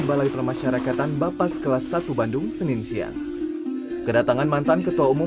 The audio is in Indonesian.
balai permasyarakatan bapas kelas satu bandung senin siang kedatangan mantan ketua umum